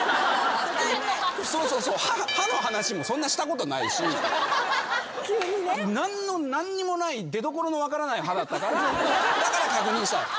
歯の話もそんなしたことないし何にもない出どころの分からない歯だったからだから確認したの。